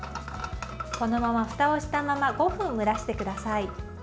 このまま、ふたをしたまま５分蒸らしてください。